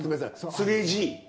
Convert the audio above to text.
３Ｇ。